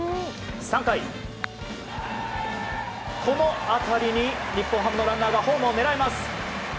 ３回、この当たりに日本ハムのランナーがホームを狙います。